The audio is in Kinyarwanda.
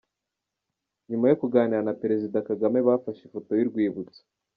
Nyuma yo kuganira na Perezida Kagame bafashe ifoto y'urwibutso.